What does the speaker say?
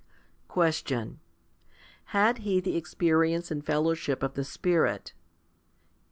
7. Question. Had he the experience and fellowship of the Spirit?